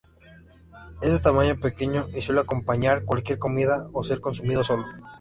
Es de tamaño pequeño y suele acompañar cualquier comida o ser consumido solo.